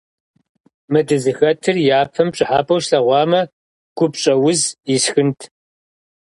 Мы дызыхэтыр япэм пщӀыхьэпӀэу слъэгъуамэ, гупщӀэуз исхынт.